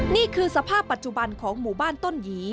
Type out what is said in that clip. นี่คือสภาพปัจจุบันของหมู่บ้านต้นหยี